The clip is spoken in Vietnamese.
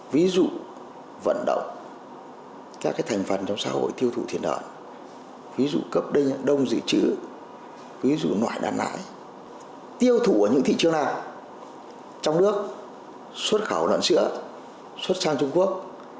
ví dụ vận động các thành phần trong xã hội tiêu thụ thiền đoạn ví dụ cấp đơn đồng dự trữ ví dụ nhoại đàn nải tiêu thụ ở những thị trường nào trong nước xuất khẩu đoạn sữa xuất sang trung quốc